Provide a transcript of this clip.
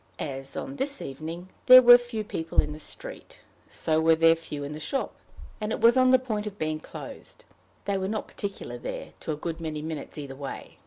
As, on this evening, there were few people in the street, so were there few in the shop, and it was on the point of being closed: they were not particular there to a good many minutes either way.